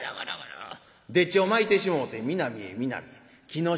丁稚をまいてしもうて南へ南へ紀ノ